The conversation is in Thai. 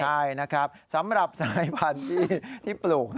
ใช่นะครับสำหรับสายพันธุ์ที่ปลูก